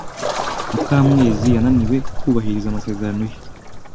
Mukamwezi yananiwe kubahiriza amasezerano ye.